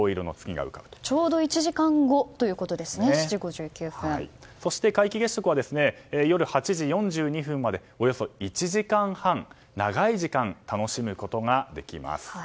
ちょうどそして、皆既月食は夜８時４２分までおよそ１時間半長い時間、楽しむことができます。